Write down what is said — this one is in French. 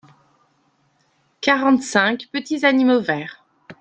Quarante-cinq petits animaux verts.